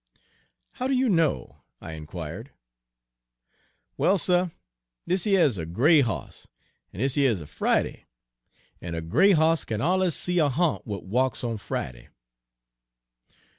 "How do you know?" I inquired. "Well, suh, dis yer is a gray hoss, en dis yer is a Friday; en a gray hoss kin alluz see a ha'nt w'at walks on Friday."